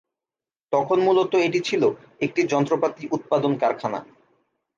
তখন মূলত এটি ছিল একটি যন্ত্রপাতি উৎপাদন কারখানা।